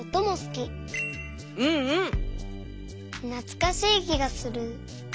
なつかしいきがする。